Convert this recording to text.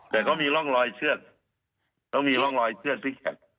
แต่เขามีร่องรอยเชือกมีร่องรอยเชือกที่แขน